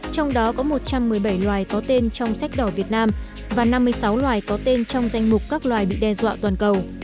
trong đó có một trăm một mươi bảy loài có tên trong sách đỏ việt nam và năm mươi sáu loài có tên trong danh mục các loài bị đe dọa toàn cầu